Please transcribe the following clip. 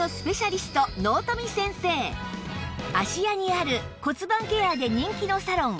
芦屋にある骨盤ケアで人気のサロン